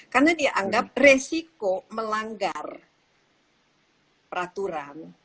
karena dia anggap resiko melanggar peraturan